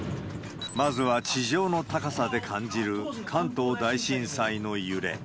まずは地上の高さで感じる関東大震災の揺れ。